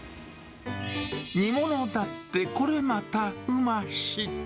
煮物だって、これまたうまし。